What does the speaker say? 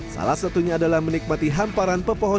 salah satunya adalah menikmati hamparan pepohonan